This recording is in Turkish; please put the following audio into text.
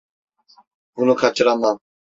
Bunu kaçıramam.